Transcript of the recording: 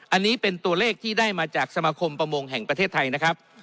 อันนี้เป็นตัวเลขที่ได้มาจากสมาคมประมงแห่งประเทศไทยนะครับ